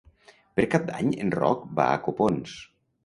Per Cap d'Any en Roc va a Copons.